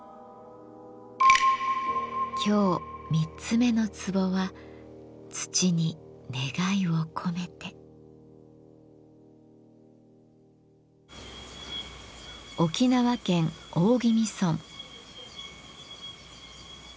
今日３つ目の壺は沖縄県大宜味村。